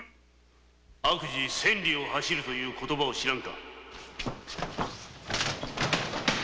・「悪事千里を走る」という言葉を知らぬか！